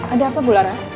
ada apa bu laras